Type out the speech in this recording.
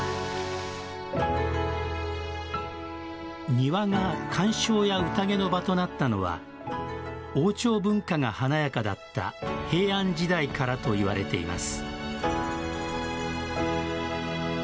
庭が観賞や宴の場となったのは王朝文化が華やかだった平安時代からと言われています。